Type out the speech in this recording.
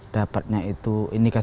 dan biar dilihat